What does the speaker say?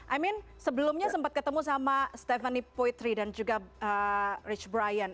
i mean sebelumnya sempat ketemu sama stephanie poitry dan juga rich brian